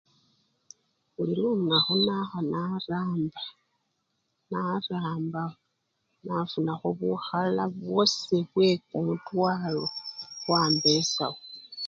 Buli lunakhu nakha naramba -naramba nafunakho bukhala bwosi bwekumutwalo bwambeshawo.